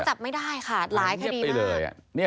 จับไม่ได้ค่ะหลายคดีเลย